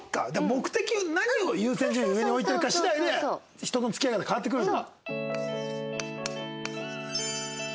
目的を何を優先順位の上に置いてるか次第で人の付き合い方変わってくるんだ。